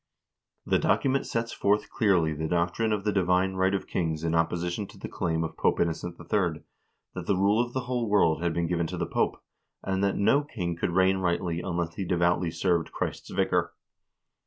* The document sets forth clearly the doctrine of the divine right of kings in opposition to the claim of Pope Innocent III. that the rule of the whole world had been given to the Pope, and that "no king could reign rightly unless he devoutly served Christ's vicar."